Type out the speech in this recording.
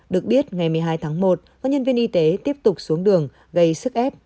được biết ngày một mươi hai tháng một các nhân viên y tế tiếp tục xuống đường gây sức ép